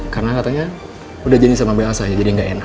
karena katanya udah jenis sama ma elsa aja jadi nggak enak